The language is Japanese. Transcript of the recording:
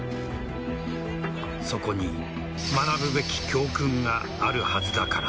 そこに学ぶべき教訓があるはずだから。